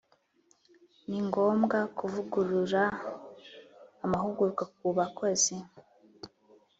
Ni ngombwa kuvugurura amahugurwa ku bakozi